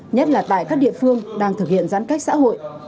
nhất là tại các địa phương đang thực hiện giãn cách xã hội